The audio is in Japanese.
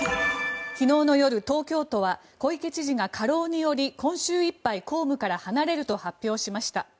昨日の夜東京都は小池知事が過労により今週いっぱい公務から離れると発表しました。